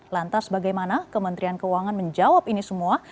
lantas bagaimana kementerian keuangan menjawab ini semua